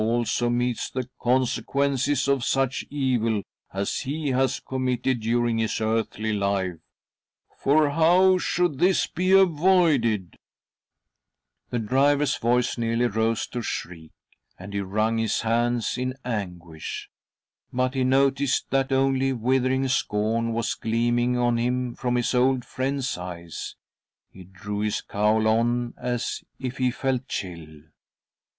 also meets the consequences of such evil as he has committed during his earthly lifeT— for how should this be avoided I " The driver's voice nearly rose to a shriek, and he wrung his hands in anguish ; but he noticed that only withering scorn was gleaming on him from his old friend's eyes. '. He drew his cowl on, as if he felt chill.